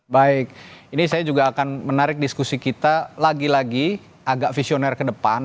baik ini saya juga akan menarik diskusi kita lagi lagi agak visioner ke depan